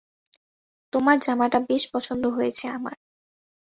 তোমার জামাটা বেশ পছন্দ হয়েছে আমার।